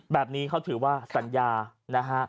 แบบนี้เขาถือว่าสัญญานะฮะ